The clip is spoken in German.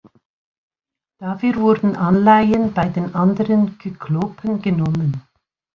Dafür wurden Anleihen bei den anderen Kyklopen genommen.